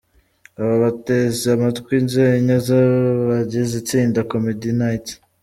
Aba bateza amatwi inzenya z'abagize itsinda Comedy Knights.